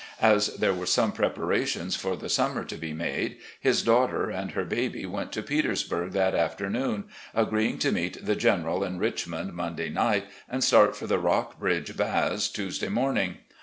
As there were some prepara tions for the summer to be made, his daughter and her baby went to Petersburg that afternoon, agreeing to meet the General in Richmond Monday night and start for the Rockbridge Baths Tuesday morning.